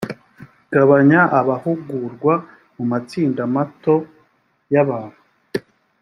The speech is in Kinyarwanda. gabanya abahugurwa mu matsinda mato y abantu